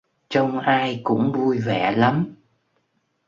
Trông ai cũng vui vẻ lắm